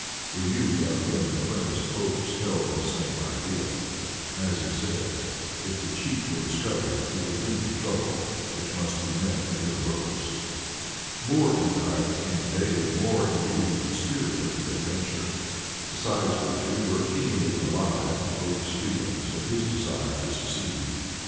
We knew that our friend Quintus Oakes held the same idea. As he said, if the cheat were discovered it would lead to trouble, which must be met as it arose. Moore and I became daily more imbued with the spirit of the adventure; besides which, we were keenly alive to Oakes's feelings and his desire to succeed.